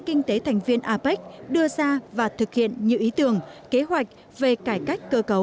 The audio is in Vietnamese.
kinh tế thành viên apec đưa ra và thực hiện nhiều ý tưởng kế hoạch về cải cách cơ cấu